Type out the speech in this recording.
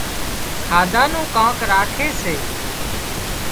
کاڌا نُون ڪانڪ راکي سي